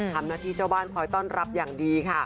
ทำหน้าที่เจ้าบ้านคอยต้อนรับอย่างดีค่ะ